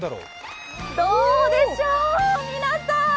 どうでしょう、皆さん。